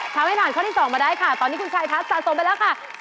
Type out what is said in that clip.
ทำให้ผ่านข้อที่๒มาได้ค่ะตอนนี้คุณชายทัศน์สะสมไปแล้วค่ะ